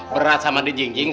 berat sama dijingjing